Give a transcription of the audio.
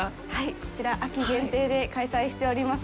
こちら、秋限定で開催しております